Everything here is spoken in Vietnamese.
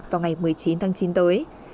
vào ngày một mươi chín tháng chín tới